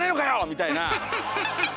みたいな。